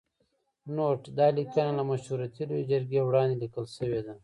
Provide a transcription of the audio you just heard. نوټ: دا لیکنه له مشورتي لویې جرګې وړاندې لیکل شوې ده.